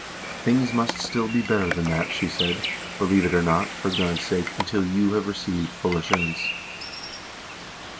'Things must still be better than that,' she said; 'believe it not, for God's sake, until you have received full assurance.'